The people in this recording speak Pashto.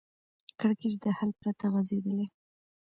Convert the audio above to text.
کړکېچ د حل پرته غځېدلی